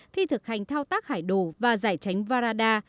thi thực hành thao tác hải đồ và giải tránh varada